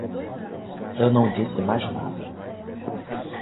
Eu não disse mais nada.